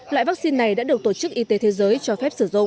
loại vaccine này đã được tổ chức y tế thế giới cho phép sử dụng